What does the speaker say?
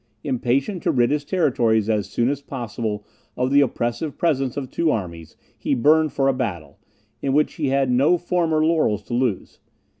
Impatient to rid his territories as soon as possible of the oppressive presence of two armies, he burned for a battle, in which he had no former laurels to lose.